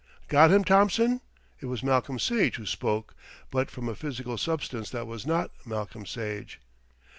"Got him, Thompson?" It was Malcolm Sage who spoke; but from a physical substance that was not Malcolm Sage.